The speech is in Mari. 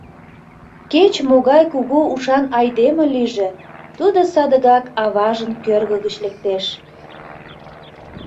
Кеч-могай кугу ушан айдеме лийже, тудо садыгак аважын кӧргӧ гыч лектеш.